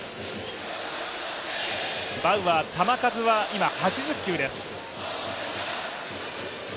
バウアー、球数は今８０球です。